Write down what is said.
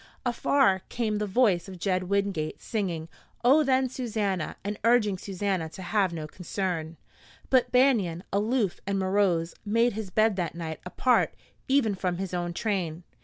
Afar came the voice of Jed Wingate singing, "Oh, then Susannah," and urging Susannah to have no concern. But Banion, aloof and morose, made his bed that night apart even from his own train.